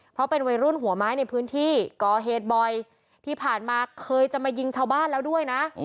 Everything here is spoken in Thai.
เพราะเป็นวัยรุ่นหัวไม้ในพื้นที่ก่อเหตุบ่อยที่ผ่านมาเคยจะมายิงชาวบ้านแล้วด้วยนะ